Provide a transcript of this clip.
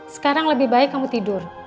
sekarang lebih baik kamu tidur